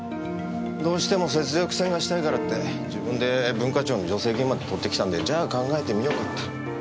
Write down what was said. どうしても雪辱戦がしたいからって自分で文化庁の助成金まで取ってきたんでじゃあ考えてみようかって。